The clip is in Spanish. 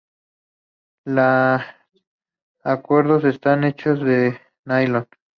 Las cuerdas están hechas de nailon.